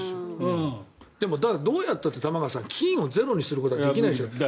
でも、どうやったって玉川さん、菌をゼロにすることはできないでしょ。